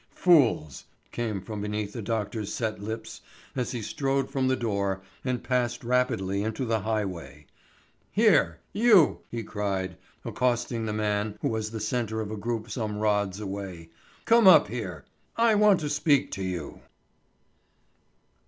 "Fools!" came from beneath the doctor's set lips as he strode from the door and passed rapidly into the highway. "Here, you!" he cried, accosting the man who was the centre of a group some rods away, "come up here! I want to speak to you."